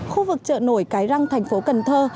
khu vực chợ nổi cái răng thành phố cần thơ